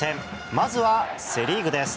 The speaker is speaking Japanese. まずはセ・リーグです。